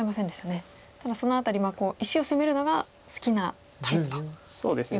ただその辺り石を攻めるのが好きなタイプということですね。